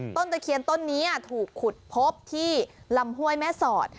ตะเคียนต้นนี้ถูกขุดพบที่ลำห้วยแม่สอด